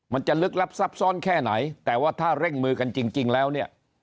มันจะลึกลับซับซ้อนแค่ไหนแต่ว่าถ้าเร่งมือกันจริงแล้วเนี่ย